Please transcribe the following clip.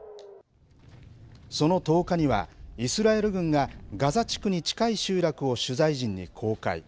その１０日には、イスラエル軍がガザ地区に近い集落を取材陣に公開。